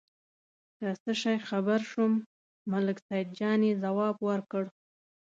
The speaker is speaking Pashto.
له څه شي خبر شوم، ملک سیدجان یې ځواب ورکړ.